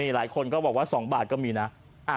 หลายคนก็บอกว่า๒บาทก็มีนะ